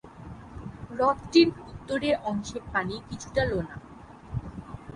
হ্রদটির উত্তরের অংশের পানি কিছুটা লোনা।